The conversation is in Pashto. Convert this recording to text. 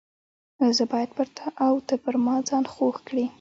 زه باید پر تا او ته پر ما ځان خوږ کړې.